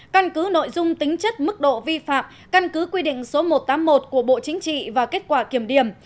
căn cứ nội dung tính chất mức độ vi phạm căn cứ quy định số một trăm tám mươi một của bộ chính trị và kết quả kiểm điểm